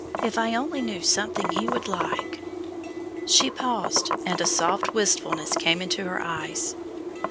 If I only knew something He would like." She paused, and a soft wistfulness came into her eyes.